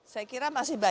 saya kira masih banyak